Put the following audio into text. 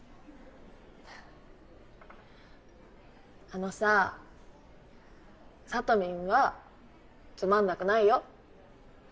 あのさサトミンはつまんなくないよ。